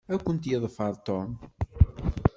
Ad kent-yeḍfer Tom.